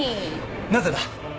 なぜだ！？